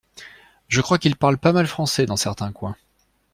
je crois qu’ils parlent pas mal français dans certains coins.